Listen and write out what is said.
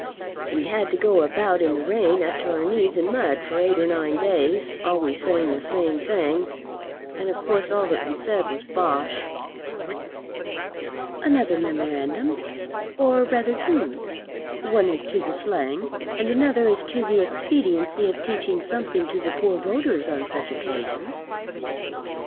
We had to go about in the rain up to our knees in mud for eight or nine days, always saying the same thing. And of course all that we said was bosh. Another memorandum or rather two, one as to the slang, and another as to the expediency of teaching something to the poor voters on such occasions.